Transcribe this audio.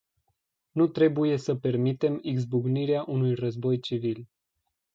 Nu trebuie să permitem izbucnirea unui război civil.